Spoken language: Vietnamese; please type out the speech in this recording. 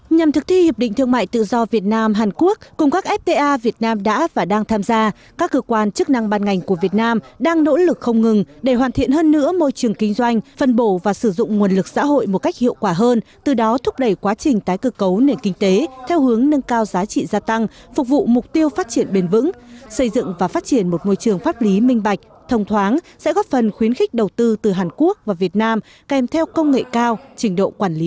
nhằm thực thi hiệp định thương mại tự do việt nam hàn quốc cùng các fta việt nam đã và đang tham gia các cơ quan chức năng ban ngành của việt nam đang nỗ lực không ngừng để hoàn thiện hơn nữa môi trường kinh doanh phân bổ và sử dụng nguồn lực xã hội một cách hiệu quả hơn từ đó thúc đẩy quá trình tái cơ cấu nền kinh tế theo hướng nâng cao giá trị gia tăng phục vụ mục tiêu phát triển bền vững xây dựng và phát triển một môi trường pháp lý minh bạch thông thoáng sẽ góp phần khuyến khích đầu tư từ hàn quốc và việt nam kèm theo công nghệ cao trình độ quản l